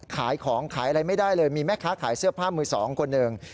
ขายของขายอะไรไม่ได้เลยมีแม่ค้าขายเสื้อผ้ามือสองคนหนึ่ง